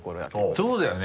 そうだよね。